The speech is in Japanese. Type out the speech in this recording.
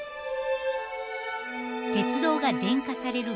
鉄道が電化される